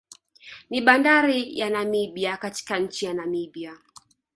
Ni bandari ya Namibia katika nchi ya Namibia